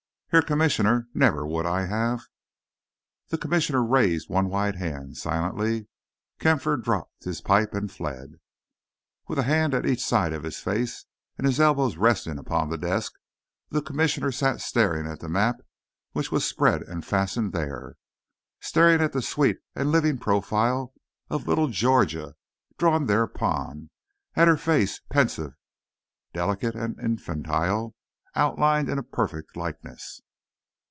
Herr Gommissioner, nefer would I have—" The Commissioner raised one white hand, silently, Kampfer dropped his pipe and fled. With a hand at each side of his face, and his elbows resting upon the desk, the Commissioner sat staring at the map which was spread and fastened there—staring at the sweet and living profile of little Georgia drawn thereupon—at her face, pensive, delicate, and infantile, outlined in a perfect likeness.